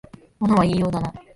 物は言いようだな